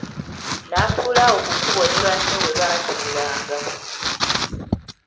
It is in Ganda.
Natuula awo ku kkubo ne banne webaatuulanga.